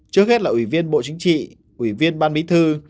trước hết là ủy viên bộ chính trị ủy viên ban bí thư